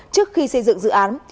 trước khi xây dựng dự án